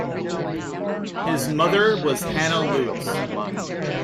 His mother was Hannah Lewis.